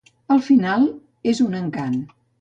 Al final, és un encant.